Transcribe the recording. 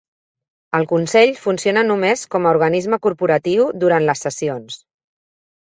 El consell funciona només com a organisme corporatiu durant les sessions.